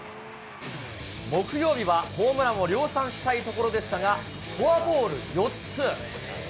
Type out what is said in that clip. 木曜日は、ホームランを量産したいところでしたが、フォアボール４つ。